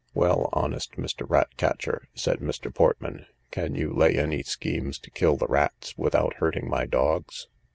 Well, honest Mr. Rat catcher, said Mr. Portman, can you lay any schemes to kill the rats, without hurting my dogs?